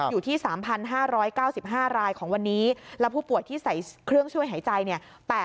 อยู่ที่๓๕๙๕รายของวันนี้และผู้ป่วยที่ใส่เครื่องช่วยหายใจเนี่ย